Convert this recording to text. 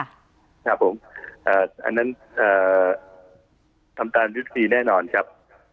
ครับผมอันนั้นทำตามยุทธวิธีแน่นอนครับ